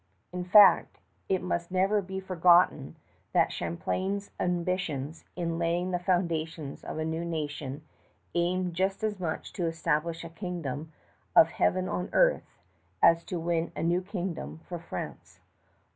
In fact, it must never be forgotten that Champlain's ambitions in laying the foundations of a new nation aimed just as much to establish a kingdom of heaven on earth as to win a new kingdom for France.